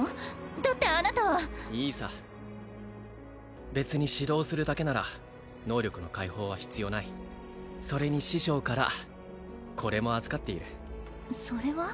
だってあなたはいいさ別に指導するだけなら能力の解放は必要ないそれに師匠からこれも預かっているそれは？